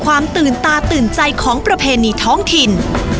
ความตื่นตาตื่นใจของประเพณีท้องถิ่น